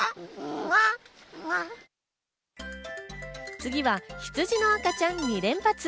次はヒツジの赤ちゃん２連発。